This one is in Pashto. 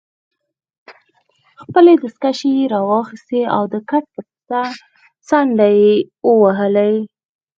خپلې دستکشې يې راواخیستې او د کټ پر څنډه ېې ووهلې.